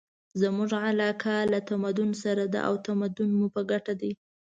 زموږ علاقه له تمدن سره ده او تمدن مو په ګټه دی.